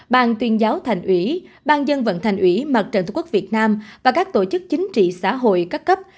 bàn tuyên giáo thành ủy bàn dân vận thành ủy mặt trận thủ quốc việt nam và các tổ chức chính trị xã hội các cấp